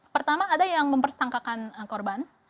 pertama ada yang mempersangkakan korban